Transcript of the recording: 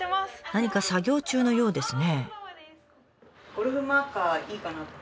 何か作業中のようですね。